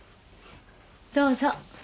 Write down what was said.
どうぞ。